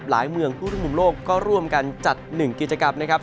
หลายเมืองทั่วทั่วมุมโลกก็ร่วมกันจัดหนึ่งกิจกรรมนะครับ